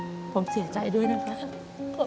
ทำงานชื่อนางหยาดฝนภูมิสุขอายุ๕๔ปี